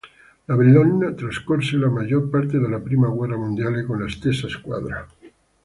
La "Bellona" trascorse la maggior parte della prima guerra mondiale con la stessa squadra.